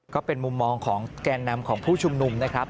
ก็เป็นมุมมองการนำผู้ชุ่มนุ่ม